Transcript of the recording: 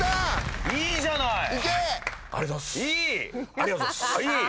ありがとうございます。